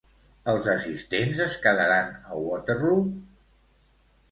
Els assistents es quedaran a Waterloo?